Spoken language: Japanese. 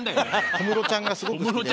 小室ちゃんがすごく好きで。